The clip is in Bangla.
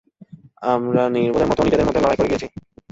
আমরা নির্বোধের মতো নিজেদের মধ্যে লড়াই করে গিয়েছি।